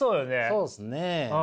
そうですね。